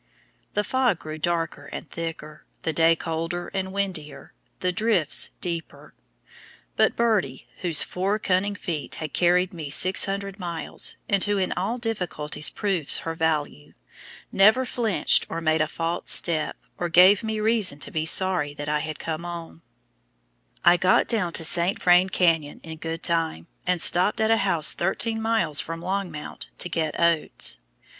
The fog grew darker and thicker, the day colder and windier, the drifts deeper; but Birdie, whose four cunning feet had carried me 600 miles, and who in all difficulties proves her value, never flinched or made a false step, or gave me reason to be sorry that I had come on. I got down to the St. Vrain Canyon in good time, and stopped at a house thirteen miles from Longmount to get oats.